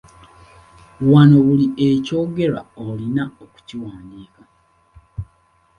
Wano buli ekyogerwa olina okukiwandiika.